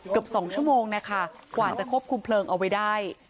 เกือบ๒ชั่วโมงนะคะกว่าจะควบคุมเพลิงเอาไว้ได้